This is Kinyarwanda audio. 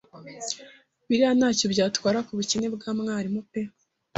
Biriya ntacyo byagabanya ku bukene bwa mwalimu pe